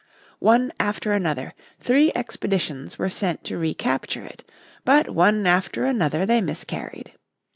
One after another, three expeditions were sent to recapture it, but one after another they miscarried.